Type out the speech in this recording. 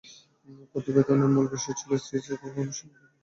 প্রতিবেদনের মূল বিষয় ছিল সিইসি এককভাবে বেশির ভাগ সিদ্ধান্ত গ্রহণ করছেন।